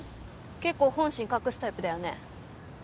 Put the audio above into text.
結構本心隠すタイプだよね？